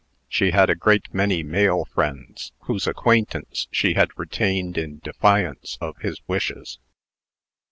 She had a great many male friends, whose acquaintance she had retained in defiance of his wishes.